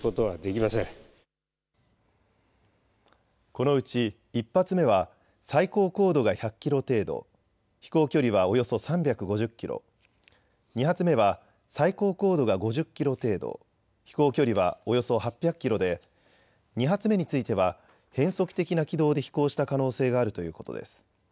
このうち１発目は最高高度が１００キロ程度、飛行距離はおよそ３５０キロ、２発目は最高高度が５０キロ程度、飛行距離はおよそ８００キロで、２発目については変則的な軌道で飛行した可能性があるということです。